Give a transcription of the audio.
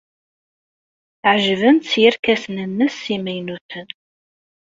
Ɛejben-tt yerkasen-nnes imaynuten.